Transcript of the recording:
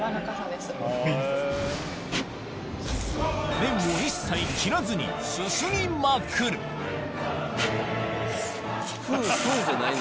麺を一切切らずにすすりまくるふっふっじゃない。